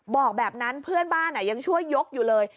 บอกแบบนั้นเพื่อนบ้านยังช่วยยกอยู่เลย